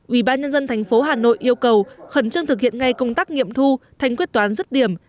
ubnd thành phố hà nội yêu cầu khẩn trương thực hiện ngay công tác nghiệm thu thành quyết toán rứt điểm